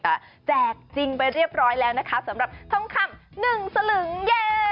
ก็แจกจริงไปเรียบร้อยแล้วนะคะสำหรับทองคำหนึ่งสลึงเย่